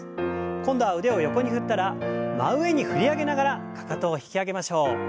今度は腕を横に振ったら真上に振り上げながらかかとを引き上げましょう。